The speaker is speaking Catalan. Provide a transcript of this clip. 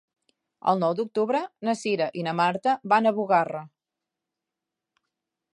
El nou d'octubre na Cira i na Marta van a Bugarra.